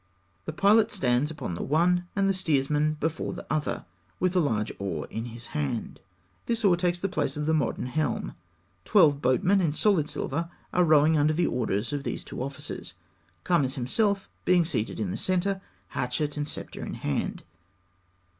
The pilot stands upon the one, and the steersman before the other, with a large oar in his hand. This oar takes the place of the modern helm. Twelve boatmen in solid silver are rowing under the orders of these two officers; Kames himself being seated in the centre, hatchet and sceptre in hand.